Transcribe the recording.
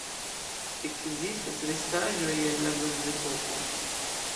Ekzistas restaĵoj el la bronzepoko.